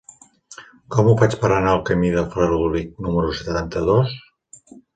Com ho faig per anar al camí del Fredolic número setanta-dos?